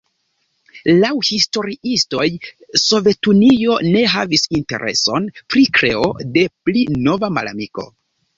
Laŭ historiistoj Sovetunio ne havis intereson pri kreo de pli nova malamiko.